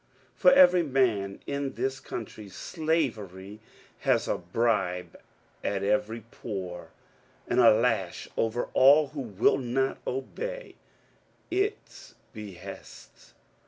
...... For every man in this country Slavery has a bribe at every pore, and a lash over all who will not obey its be hests.